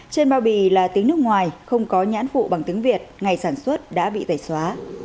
trên bao bì là tiếng nước ngoài không có nhãn phụ bằng tiếng việt ngày sản xuất đã bị tẩy xóa